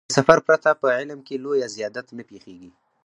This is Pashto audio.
له سفر پرته په علم کې لويه زيادت نه پېښېږي.